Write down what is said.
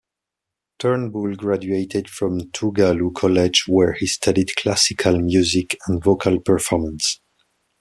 Turnbull graduated from Tougaloo College where he studied classical music and vocal performance.